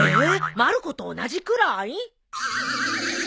まる子と同じくらい？